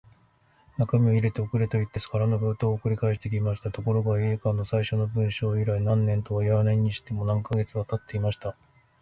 中身を入れて送れ、といって空の封筒を送り返してきました。ところが、Ａ 課の最初の文書以来、何年とはいわないにしても、何カ月かはたっていました。